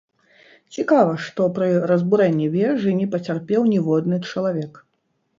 Цікава, што пры разбурэнні вежы не пацярпеў ніводны чалавек.